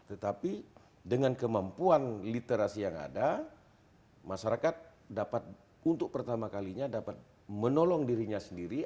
tetapi dengan kemampuan literasi yang ada masyarakat dapat untuk pertama kalinya dapat menolong dirinya sendiri